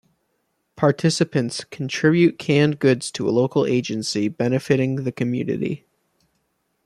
Participants contribute canned goods to a local agency benefiting the community.